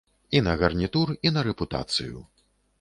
І на гарнітур, і на рэпутацыю.